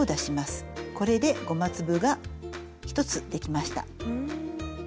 これでゴマ粒が１つできました。